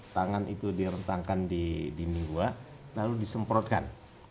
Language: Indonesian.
tangan itu direntangkan di dinding gua lalu disemprotkan